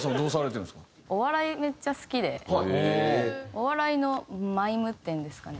お笑いのマイムっていうんですかね？